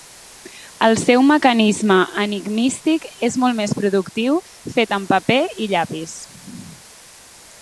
El seu mecanisme enigmístic és molt més productiu fet amb paper i llapis.